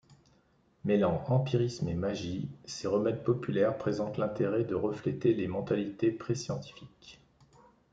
Mêlant empirisme et magie, ces remèdes populaires présentent l’intérêt de refléter les mentalités pré-scientifiques.